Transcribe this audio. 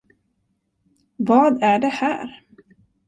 Vad är det här?